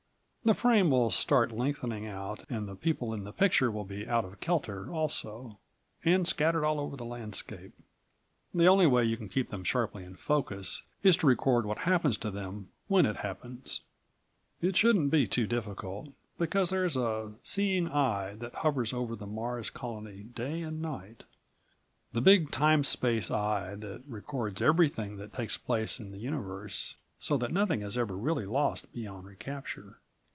The frame will start lengthening out and the people in the picture will be out of kelter also, and scattered all over the landscape. The only way you can keep them sharply in focus is to record what happens to them when it happens. It shouldn't be too difficult, because there's a seeing eye that hovers over the Mars' Colony day and night. The big Time Space eye that records everything that takes place in the universe, so that nothing is ever really lost beyond re capture.